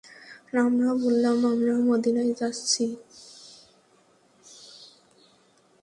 আমরা বললাম, আমরা মদীনায় যাচ্ছি।